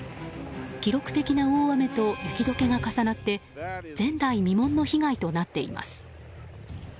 記録的な大雨と雪解けが重なって前代未聞の被害となっています。